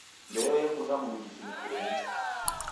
Mbeo yekunda mundu ujifinikire nicha.